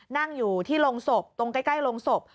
นั่งอยู่ที่โรงศพตรงใกล้โรงศพ